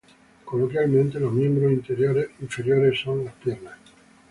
Coloquialmente, los miembros inferiores son las "piernas".